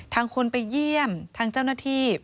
ทางคนไปเยี่ยมทางเจ้าหน้าที่